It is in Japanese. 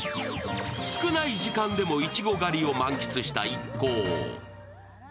少ない時間でもいちご狩りを満喫した一行。